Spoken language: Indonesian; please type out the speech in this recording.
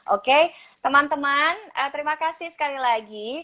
oke teman teman terima kasih sekali lagi